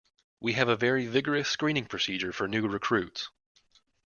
We have a very vigorous screening procedure for new recruits.